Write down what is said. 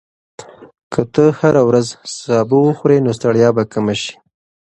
که ته هره ورځ سبو وخورې، نو ستړیا به کمه شي.